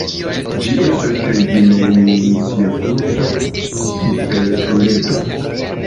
Ĝi estas tri-dimensia kruca hiperpluredro.